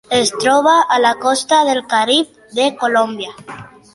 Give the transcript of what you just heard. Es troba a la costa del Carib de Colòmbia.